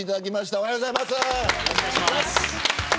おはようございます。